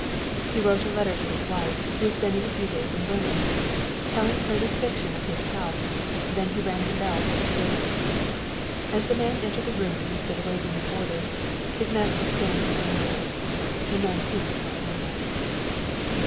He wrote a letter to his wife, who was spending a few days in Birmingham, telling her the fiction of his health, then he rang the bell for the servant. As the man entered the room and stood awaiting his orders, his master scanned him narrowly. The man seemed quite normal.